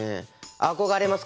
憧れます